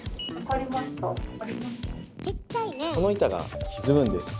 この板がひずむんです。